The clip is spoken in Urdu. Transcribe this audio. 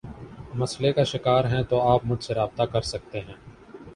مسلئے کا شکار ہیں تو آپ مجھ سے رابطہ کر سکتے ہیں